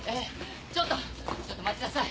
ちょっとちょっと待ちなさい。